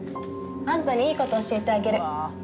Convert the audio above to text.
あんたにいいこと教えてあげる。